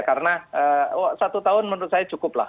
karena satu tahun menurut saya cukup lah